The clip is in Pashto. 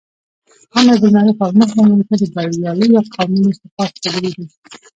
امر باالمعروف او نهي عنالمنکر د برياليو قومونو صفات ښودلي دي.